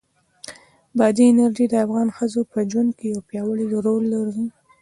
بادي انرژي د افغان ښځو په ژوند کې یو پیاوړی رول لري.